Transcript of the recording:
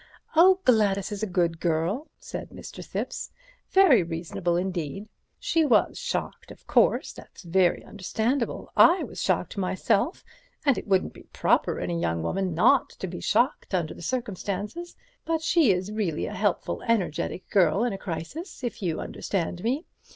"Oh, Gladys is a good girl," said Mr. Thipps, "very reasonable indeed. She was shocked, of course, that's very understandable. I was shocked myself, and it wouldn't be proper in a young woman not to be shocked under the circumstances, but she is really a helpful, energetic girl in a crisis, if you understand me.